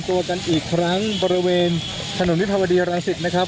ตัวกันอีกครั้งบริเวณถนนวิภาวดีรังสิตนะครับ